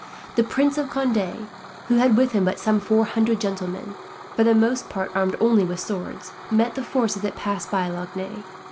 The Prince of Conde, who had with him but some four hundred gentlemen, for the most part armed only with swords, met the force as it passed by Lagny.